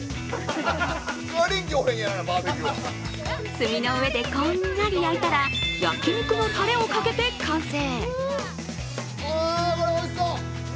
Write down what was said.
炭の上でこんがり焼いたら焼き肉のたれをかけて完成。